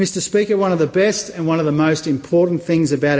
tuan spiker salah satu hal yang paling penting di negara kita